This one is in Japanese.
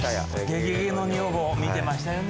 『ゲゲゲの女房』見てましたよね。